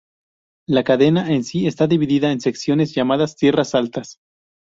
La cadena en sí está dividida en secciones llamadas "tierras altas".